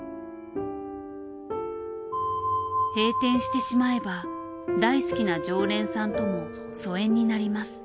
閉店してしまえば大好きな常連さんとも疎遠になります。